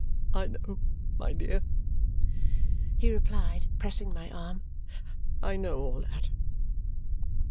"I know, my dear," he replied, pressing my arm, "I know all that.